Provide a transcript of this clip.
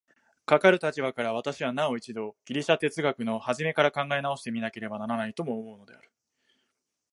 かかる立場から、私はなお一度ギリシヤ哲学の始から考え直して見なければならないとも思うのである。